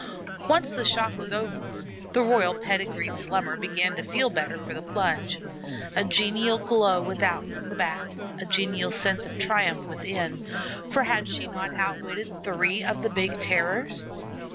Once the shock was over, the Royal pedigreed Slummer began to feel better for the plunge. A genial glow without from the bath, a genial sense of triumph within, for had she not outwitted three of the big Terrors?